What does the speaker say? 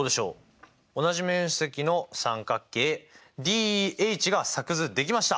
同じ面積の三角形ＤＥＨが作図できました。